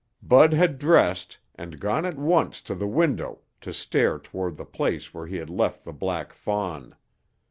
Bud had dressed and gone at once to the window to stare toward the place where he had left the black fawn.